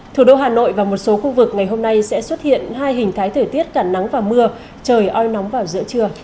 thủ đô hà nội và một số khu vực ngày hôm nay sẽ xuất hiện hai hình thái thời tiết cả nắng và mưa trời oi nóng vào giữa trưa